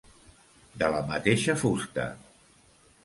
De la mateixa fusta.